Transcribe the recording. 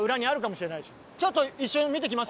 ちょっと一瞬見てきます。